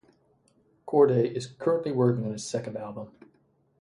Cordae is currently working on his second album.